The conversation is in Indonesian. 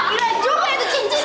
wah kira juga itu cincinnya